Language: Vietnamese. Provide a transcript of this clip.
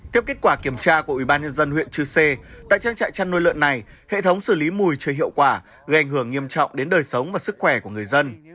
theo kết quả kiểm tra của ubnd huyện chư sê tại trang trại chăn nuôi lợn này hệ thống xử lý mùi chưa hiệu quả gây ảnh hưởng nghiêm trọng đến đời sống và sức khỏe của người dân